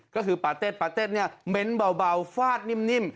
ก็คือปาเต็ดปาเต็ดเนี่ยเม้นเบาฟาดนิ่ม